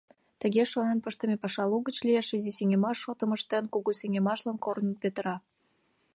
Тыге шонен пыштыме паша лугыч лиеш: изи сеҥымаш шотым ыштен, кугу сеҥымашлан корным петыра.